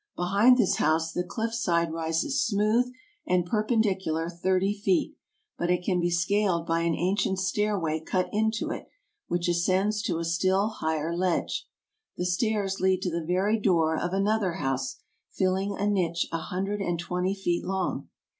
Behind this house the cliff side rises smooth and perpendicular thirty feet, but it can be scaled by an ancient stairway cut into it which ascends to a still higher ledge. The stairs lead to the very door of another house filling a niche a hunded and twenty feet long.